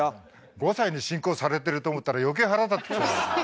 ５歳に進行されてると思ったら余計腹立ってきた。